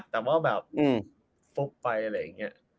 แต่ว่าแบบฟุกไปอะไรอย่างนี้